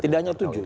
tidak hanya tujuh